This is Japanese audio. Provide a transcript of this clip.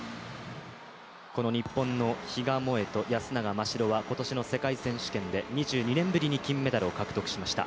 この日本の比嘉もえと安永真白は今年の世界選手権で２２年ぶりに金メダルを獲得しました。